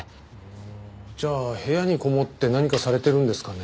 じゃあ部屋にこもって何かされてるんですかね？